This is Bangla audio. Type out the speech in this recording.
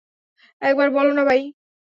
একবার বলো না ভাই।